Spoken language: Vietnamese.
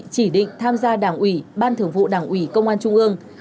chỉ định tham gia đảng ủy ban thường vụ đảng ủy công an trung ương